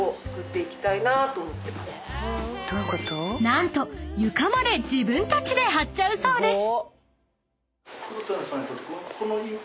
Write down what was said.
［何と床まで自分たちで張っちゃうそうです］